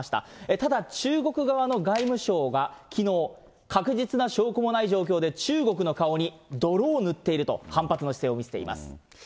ただ、中国側の外務省がきのう、確実な証拠もない状況で中国の顔に泥を塗っていると反発の姿勢を見せています。